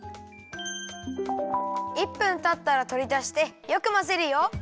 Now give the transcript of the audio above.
１分たったらとりだしてよくまぜるよ。